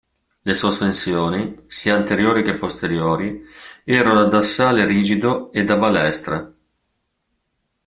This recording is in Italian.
Le sospensioni, sia anteriori che posteriori, erano ad assale rigido ed a balestra.